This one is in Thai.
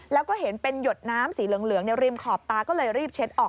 แล้วก็เห็นเป็นหยดน้ำสีเหลืองในริมขอบตาก็เลยรีบเช็ดออก